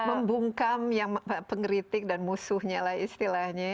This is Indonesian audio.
membungkam yang pengkritik dan musuhnya lah istilahnya